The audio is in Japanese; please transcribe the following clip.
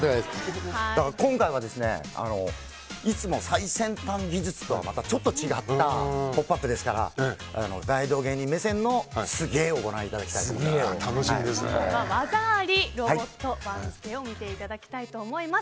今回は、いつもの最先端技術とはちょっと違った「ポップＵＰ！」ですから大道芸人目線のすげえをご覧いただきたいと思います。